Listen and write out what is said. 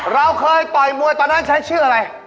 เราเคยต่อยมวยตอนนั้นใช้ชื่ออะไร